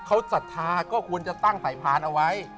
เขาศรัทธาก็ควรจะตั้งสายพานเอาไว้